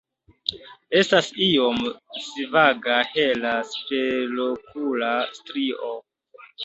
Estas iom svaga hela superokula strio.